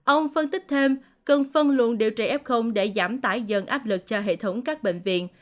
ông phân tích thêm cần phân luận điều trị f để giảm tải dần áp lực cho hệ thống các bệnh viện